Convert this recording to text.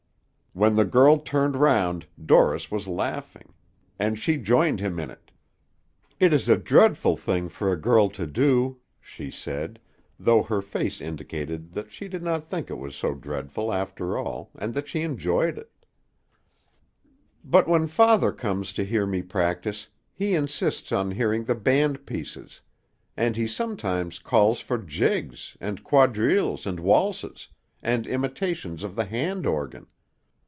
When the girl turned round, Dorris was laughing, and she joined him in it. "It is a dreadful thing for a girl to do," she said, though her face indicated that she did not think it was so dreadful, after all, and that she enjoyed it; "but when father comes to hear me practise, he insists on hearing the band pieces; and he sometimes calls for jigs, and quadrilles, and waltzes, and imitations of the hand organ.